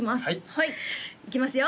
はいいきますよ